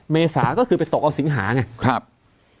เมษาก็คือไปตกเอาสิงหาไงครับ